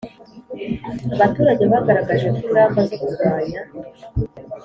Abaturage bagaragaje ko ingamba zo kurwanya